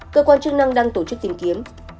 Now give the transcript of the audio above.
cơ quan chức năng đang tổ chức tìm kiếm